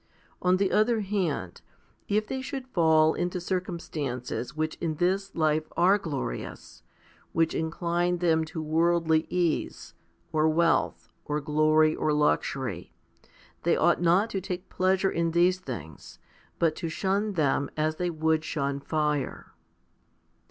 On the other hand, if they should fall into circumstances which in this life are glorious, which incline them to worldly ease, or wealth, or glory, or luxury, they ought not to take pleasure in these things, but to shun them as they would shun fire.